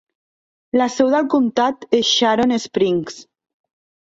La seu del comtat és Sharon Springs.